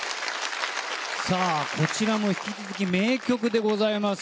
こちらも引き続き名曲でございます。